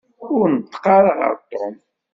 Ur neṭṭeq ara ɣer Tom.